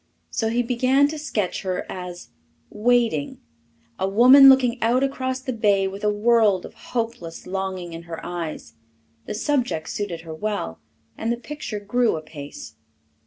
So he began to sketch her as "Waiting" a woman looking out across the bay with a world of hopeless longing in her eyes. The subject suited her well, and the picture grew apace.